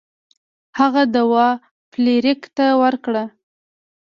هغه دوا فلیریک ته ورکړه.